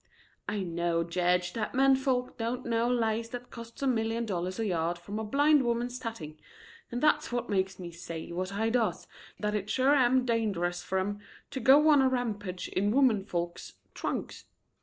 "I know, Jedge, that menfolks don't know lace that costs a million dollars a yard from a blind woman's tatting, and that's what makes me say what I does, that it sure am dangersome fer 'em to go on a rampage in womenfolks' trunks.